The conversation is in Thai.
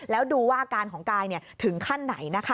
แล้วดูว่าอาการของกายถึงขั้นไหนนะคะ